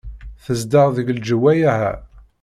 Tezdeɣ deg lejwayeh-a.